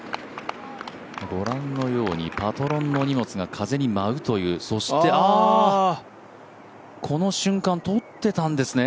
ご覧のようにパトロンの荷物が風に舞うという、そして、あ、この瞬間、撮ってたんですね。